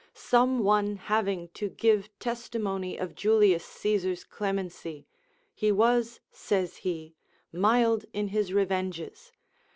Some one having to give testimony of Julius Caesar's clemency; "he was," says he, "mild in his revenges.